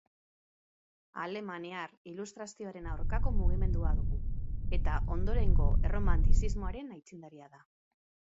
Alemaniar ilustrazioaren aurkako mugimendua dugu eta ondorengo erromantizismoaren aitzindaria da.